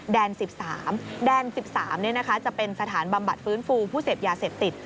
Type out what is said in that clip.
แดน๑๓แดน๑๓จะเป็นสถานบำบัดฟื้นฟูผู้เสพยาเสพติด